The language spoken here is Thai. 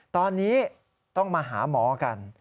ตอนนี้ต้องมาหาหมอกัน